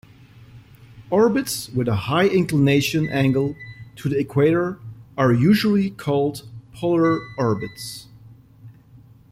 Orbits with a high inclination angle to the equator are usually called polar orbits.